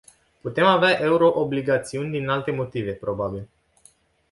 Putem avea euroobligațiuni din alte motive, probabil.